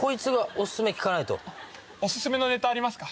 お薦めのネタありますか？